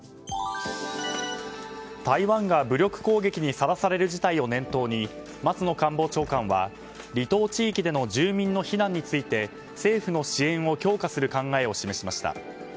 台湾が武力攻撃にさらされる事態を念頭に松野官房長官は離島地域での住民の避難について政府の支援を強化することを示しました。